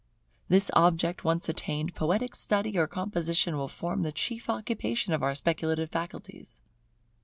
This object once attained, poetic study or composition will form the chief occupation of our speculative faculties.